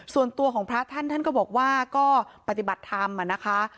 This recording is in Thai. ส่วนตัวของพระท่านท่านก็บอกว่าก็ปฏิบัติธรรมนะคะ